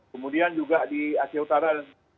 kemudian juga di asia utara